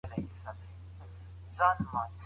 لویه جرګه په تاریخي لحاظ څه ځانګړی ارزښت لري؟